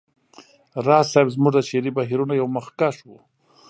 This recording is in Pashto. راز صيب زموږ د شعري بهیرونو یو مخکښ و